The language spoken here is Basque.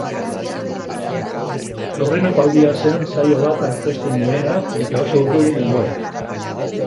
Aurreneko aldia zen saio bat aurkezten nuena eta oso urduri nengoen.